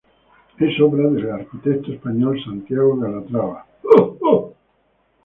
Es obra del arquitecto español Santiago Calatrava.